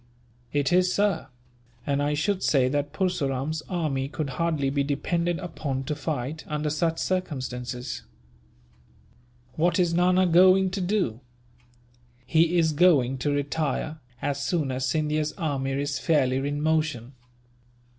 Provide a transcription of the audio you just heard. "It is, sir; and I should say that Purseram's army could hardly be depended upon to fight, under such circumstances." "What is Nana going to do?" "He is going to retire, as soon as Scindia's army is fairly in motion."